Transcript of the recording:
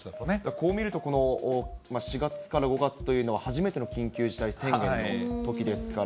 こう見ると、４月から５月というのは初めての緊急事態宣言のときですから。